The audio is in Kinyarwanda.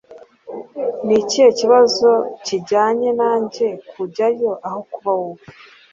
Ni ikihe kibazo kijyanye nanjye kujyayo aho kuba wowe